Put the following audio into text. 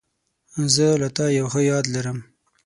زه له تا یو ښه یاد لرم.